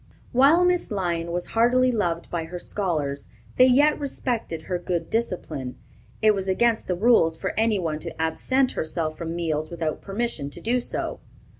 While Miss Lyon was heartily loved by her scholars, they yet respected her good discipline. It was against the rules for any one to absent herself from meals without permission to do so.